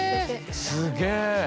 すげえ。